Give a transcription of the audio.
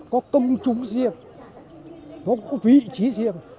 có công chúng riêng có vị trí riêng